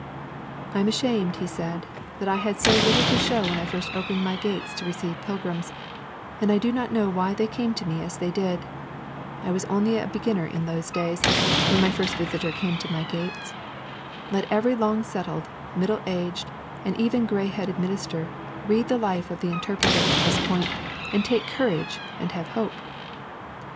I am ashamed, he said, that I had so little to show when I first opened my gates to receive pilgrims, and I do not know why they came to me as they did. I was only a beginner in these things when my first visitor came to my gates. Let every long settled, middle aged, and even grey headed minister read the life of the Interpreter at this point and take courage and have hope.